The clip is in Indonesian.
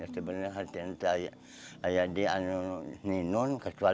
sebenarnya hati ayahnya di nunuknya